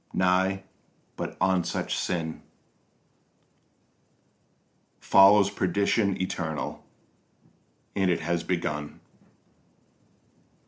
Nay, but on such sin Follows Perdition eternal ... and it has begun.